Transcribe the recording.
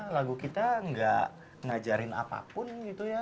lagu kita gak ngajarin apapun gitu ya